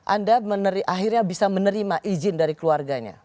anda akhirnya bisa menerima izin dari keluarganya